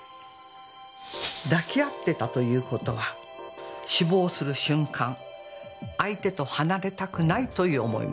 抱き合ってたという事は死亡する瞬間相手と離れたくないという思いもあった。